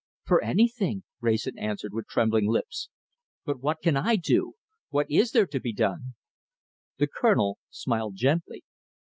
"For anything," Wrayson answered, with trembling lips. "But what can I do? What is there to be done?" The Colonel smiled gently.